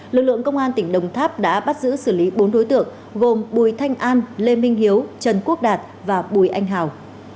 lực lượng công an tỉnh đồng tháp đã bắt giữ xử lý bốn đối tượng gồm bùi thanh an lê minh hiếu trần quốc đạt và bùi anh hào